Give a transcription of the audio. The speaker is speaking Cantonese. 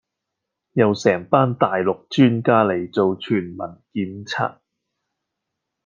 又成班大陸專家嚟全民檢測